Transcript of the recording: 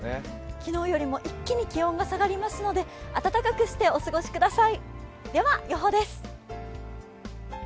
昨日よりも一気に気温が下がりますので暖かくしてお過ごしください。